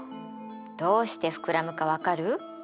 どうして膨らむか分かる？